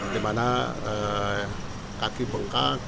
dimana kaki bengkak